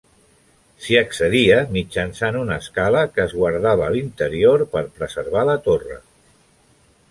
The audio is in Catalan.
S'hi accedia mitjançant una escala que es guardava a l'interior per preservar la torre.